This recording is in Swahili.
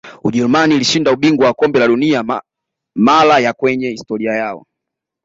ujerumani ilishinda ubingwa wa kombe la dunia mara ya kwenye historia yao